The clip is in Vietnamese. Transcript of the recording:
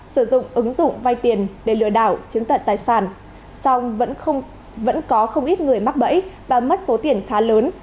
sử dụng ứng dụng vay tiền để lừa đảo chứng tật tài sản song vẫn có không ít người mắc bẫy và mất số tiền khá lớn